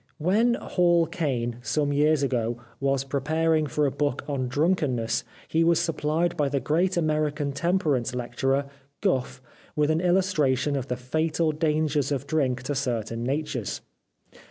When Hall Caine some years ago was preparing for a book on drunkenness he was supplied by the great American temperance lecturer, Gough, with an illustration of the fatal dangers of drink to certain natures.